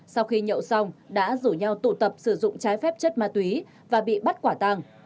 sau khi nhậu xong đã rủ nhau tụ tập sử dụng trái phép chất ma túy và bị bắt quả tàng